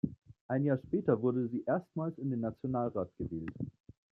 Ein Jahr später wurde sie erstmals in den Nationalrat gewählt.